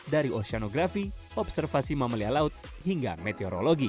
dari oceanografi observasi mamalia laut hingga meteorologi